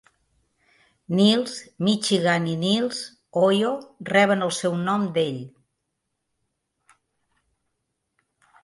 Niles, Michigan i Niles, Ohio, reben el seu nom d"ell.